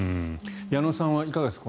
矢野さんはいかがですか。